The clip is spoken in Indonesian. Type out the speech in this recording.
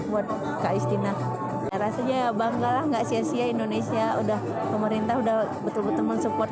buat kak istina ya rasanya bangga lah nggak sia sia indonesia udah pemerintah udah betul betul mensupport